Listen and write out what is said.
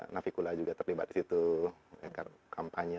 nafi kula juga terlibat di situ kampanye